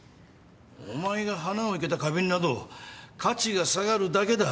お前が花を生けた花瓶など価値が下がるだけだ。